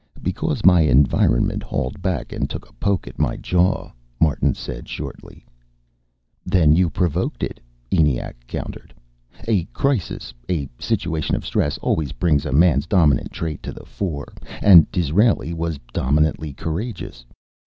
"Because my environment hauled back and took a poke at my jaw," Martin said shortly. "Then you provoked it," ENIAC countered. "A crisis a situation of stress always brings a man's dominant trait to the fore, and Disraeli was dominantly courageous.